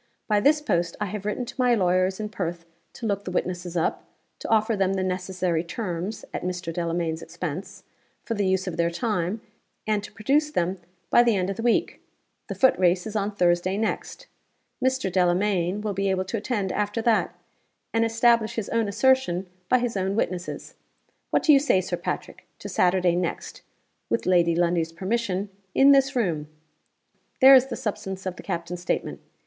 By this post I have written to my lawyers in Perth to look the witnesses up; to offer them the necessary terms (at Mr. Delamayn's expense) for the use of their time; and to produce them by the end of the week. The footrace is on Thursday next. Mr. Delamayn will be able to attend after that, and establish his own assertion by his own witnesses. What do you say, Sir Patrick, to Saturday next (with Lady Lundie's permission) in this room?' There is the substance of the captain's statement.